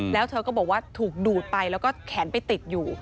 แล้วเธอก็บอกว่าถูกดูดไปแล้วก็แขนไปติดอยู่